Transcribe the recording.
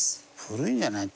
古いんじゃない？